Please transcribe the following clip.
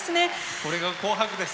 これが「紅白」です。